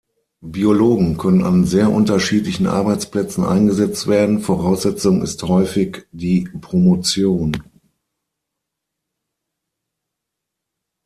Biologen können an sehr unterschiedlichen Arbeitsplätzen eingesetzt werden, Voraussetzung ist häufig die Promotion.